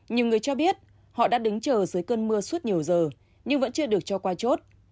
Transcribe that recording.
nhiều người cho biết họ đã đứng chờ dưới cơn mưa suốt nhiều giờ nhưng vẫn chưa được cho qua chốt